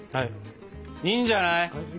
いいんじゃない？